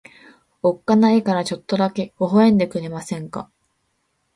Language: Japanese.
おっかないからちょっとだけ微笑んでくれませんか。